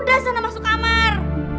udah sana masuk kamar cek